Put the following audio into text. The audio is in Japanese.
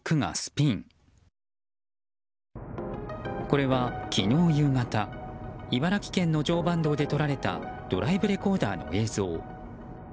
これは、昨日夕方茨城県の常磐道で撮られたドライブレコーダーの映像。